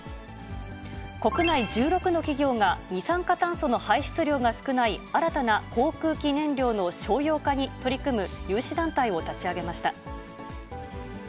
国内１６の企業が二酸化炭素の排出量が少ない新たな航空機燃料の商用化に取り組む有志団体を立ち上げました。